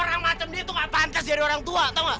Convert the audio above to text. orang macem dia tuh gak pantas jadi orang tua tau gak